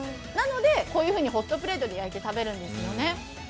なのでこういうふうにホットプレートで焼いて食べるんです。